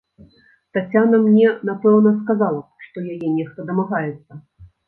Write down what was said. Таццяна мне, напэўна, сказала б, што яе нехта дамагаецца.